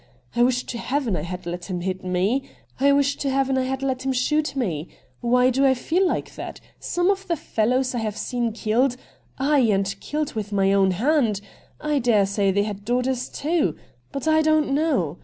I wish to Heaven I had let him hit me ; I wish to Heaven I had let him shoot me ! Why do I feel like that ? Some of the fellows I have seen killed — ay, and killed with my own hand — I daresay they had daughters too. But I don't know.